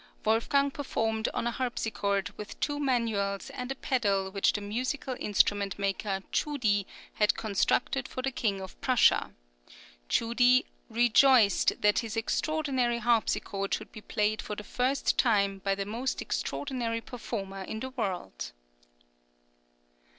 Wolfgang performed on a harpsichord with two manuals and a pedal which the musical instrument maker Tschudi had constructed for the King of Prussia;[20036] Tschudi "rejoiced that his extraordinary harpsichord should be played for the first time by the most extraordinary performer in the world."